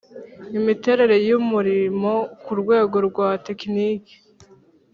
imiterere y Umurimo ku rwego rwa tekiniki